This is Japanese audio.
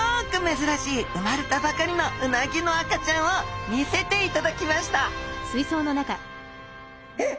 珍しい生まれたばかりのうなぎの赤ちゃんを見せていただきましたえっ？